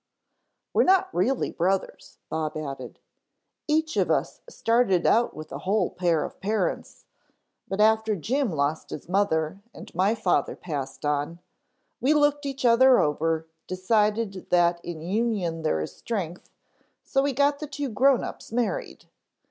"We're not really brothers," Bob added. "Each of us started out with a whole pair of parents, but after Jim lost his mother and my father passed on, we looked each other over, decided that in union there is strength, so we got the two grown ups married.